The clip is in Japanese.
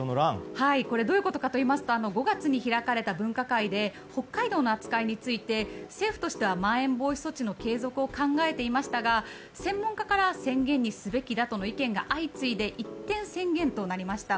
どういうことかといいますと５月に開かれた分科会で北海道の扱いについて政府としては、まん延防止措置の継続を考えていましたが専門家から、宣言にすべきだとの意見が相次いで一転宣言となりました。